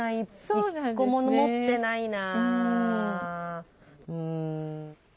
１個も持ってないな。